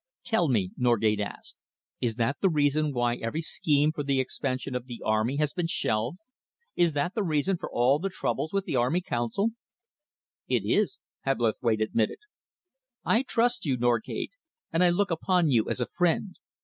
"Tell me," Norgate asked, "is that the reason why every scheme for the expansion of the army has been shelved? Is that the reason for all the troubles with the Army Council?" "It is," Hebblethwaite admitted. "I trust you, Norgate, and I look upon you as a friend.